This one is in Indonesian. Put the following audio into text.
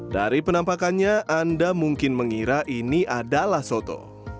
dari penampakannya anda mungkin mengira ini adalah soto